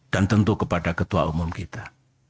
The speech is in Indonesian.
dan tentu kepada ketua umum kita